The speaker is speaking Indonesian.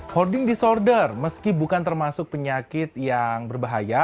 hoarding disorder meski bukan termasuk penyakit yang berbahaya